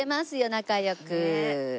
仲良く。